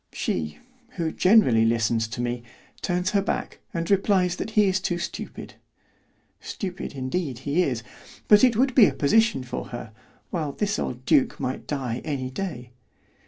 She, who generally listens to me, turns her back and replies that he is too stupid. Stupid, indeed, he is; but it would be a position for her, while this old duke might die any day.